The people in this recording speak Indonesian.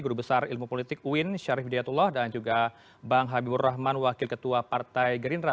guru besar ilmu politik uin syarifudiyatullah dan juga bang habibur rahman wakil ketua partai gerindra